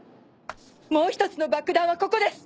もう１つの爆弾はここです！